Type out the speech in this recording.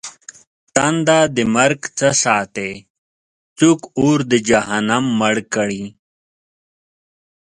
تنده د مرگ څه ساتې؟! څوک اور د جهنم مړ کړي؟!